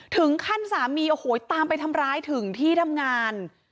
ถึงขั้นสามีโอ้โหตามไปทำร้ายถึงที่ทำงาน